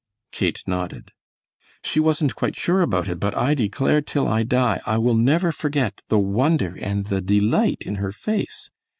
Kate nodded. "She wasn't quite sure about it, but I declare till I die I will never forget the wonder and the delight in her face.